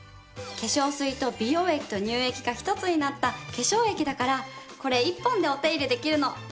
化粧水と美容液と乳液が１つになった化粧液だからこれ１本でお手入れできるの！